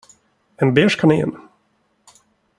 En beige kanin.